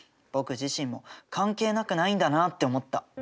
僕自身も関係なくないんだなって思った。